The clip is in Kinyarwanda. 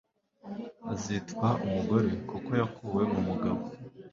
azitwa umugore kuko yakuwe mu mugabo